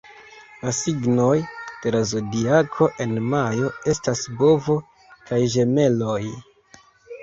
La signoj de la Zodiako en majo estas Bovo kaj Ĝemeloj.